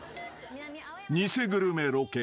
［偽グルメロケ。